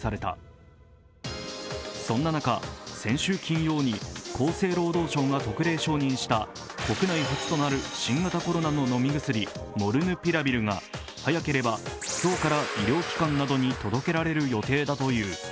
そんな中、先週金曜に厚生労働省が特例承認した国内初となる新型コロナの飲み薬、モルヌピラビルが早ければ今日から医療機関などに届けられる予定だという。